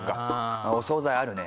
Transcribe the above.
お総菜あるね。